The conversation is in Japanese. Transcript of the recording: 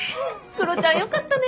クロチャンよかったね。